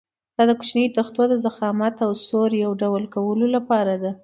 دا د کوچنیو تختو د ضخامت او سور یو ډول کولو لپاره ده.